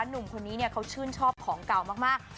หนุ่มคนนี้เขาชื่นชอบของเก่ามาก